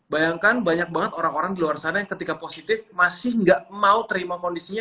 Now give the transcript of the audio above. bayangkan banyak banget orang orang di luar sana yang ketika positif masih gak mau terima kondisinya